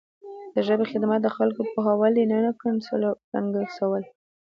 د ژبې خدمت د خلکو پوهول دي نه ګنګسول.